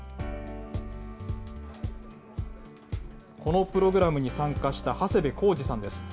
このプログラムに参加した長谷部晃司さんです。